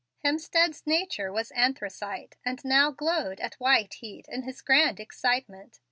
Hemstead's nature was anthracite, and now glowed at white heat in his grand excitement.